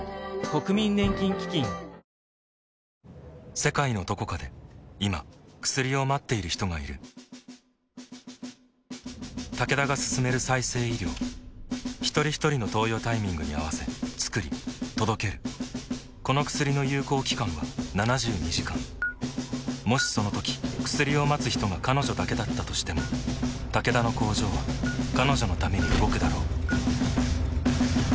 世界のどこかで今薬を待っている人がいるタケダが進める再生医療ひとりひとりの投与タイミングに合わせつくり届けるこの薬の有効期間は７２時間もしそのとき薬を待つ人が彼女だけだったとしてもタケダの工場は彼女のために動くだろう